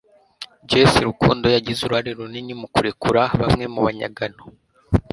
Jesse Rukundo yagize uruhare runini mu kurekura bamwe mu banyagano